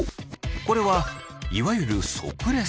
これはいわゆる即レス。